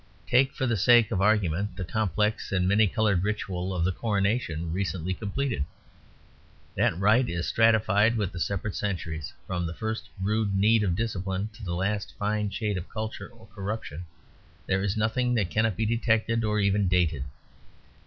Take, for the sake of argument, the complex and many coloured ritual of the Coronation recently completed. That rite is stratified with the separate centuries; from the first rude need of discipline to the last fine shade of culture or corruption, there is nothing that cannot be detected or even dated.